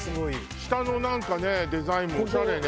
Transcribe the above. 下のなんかねデザインもオシャレね。